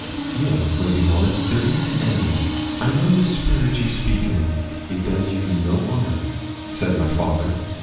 'Yes, Lady Knollys, there's an animus; I know the spirit you speak in it does you no honour,' said my father.